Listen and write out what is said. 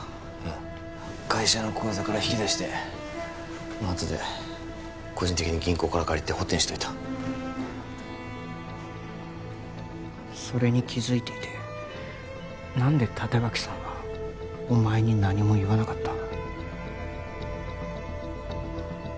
ああ会社の口座から引き出してあとで個人的に銀行から借りて補填しといたそれに気づいていて何で立脇さんはお前に何も言わなかった？